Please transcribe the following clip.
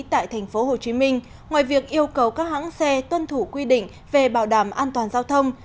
tại tp hcm ngoài việc yêu cầu các hãng xe tuân thủ quy định về bảo đảm an toàn giao thông